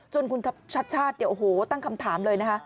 จนคุณชัดอ๋อโหตั้งคำถามเลย